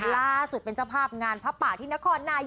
ล่าสุดเป็นเจ้าพาบงานภาพป่าที่นครหน่ายน